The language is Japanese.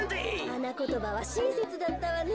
はなことばはしんせつだったわね。